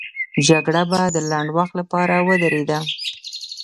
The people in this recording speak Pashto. جګړه به د لنډ وخت لپاره ودرېده.